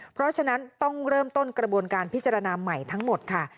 เพราะฉะนั้นต้องเริ่มต้นกระบวนการพิจารณาใหม่ทั้งหมดค่ะ